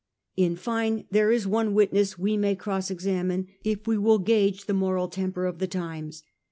In fine, there is one witness we may cross examine if we will gauge the moral temper of the times.